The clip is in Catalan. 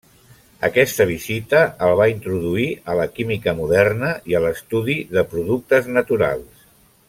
Aquesta visita el va introduir a la química moderna i a l'estudi de productes naturals.